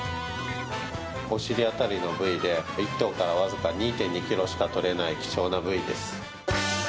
お尻辺りの部位で１頭からわずか２．２ｋｇしか取れない希少な部位です。